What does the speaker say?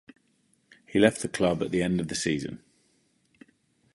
He left the club at the end of the season.